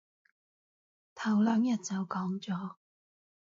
頭兩日就講咗